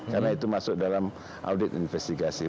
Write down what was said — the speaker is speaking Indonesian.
karena itu masuk dalam audit investigasi